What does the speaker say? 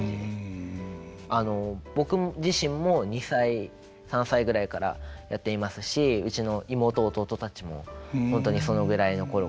僕自身も２歳３歳ぐらいからやっていますしうちの妹弟たちも本当にそのぐらいの頃からやってます。